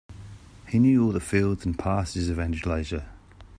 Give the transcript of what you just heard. He knew all the fields and pastures of Andalusia.